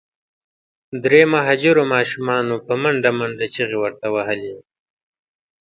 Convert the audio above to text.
درې مهاجرو ماشومانو په منډه منډه چیغي ورته وهلې.